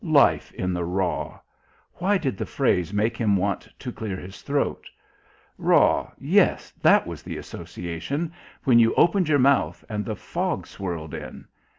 Life in the raw! Why did the phrase make him want to clear his throat? Raw yes, that was the association when you opened your mouth and the fog swirled in.